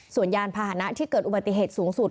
ส่วนยานพาหนะที่เกิดอุบัติเหตุสูงสุด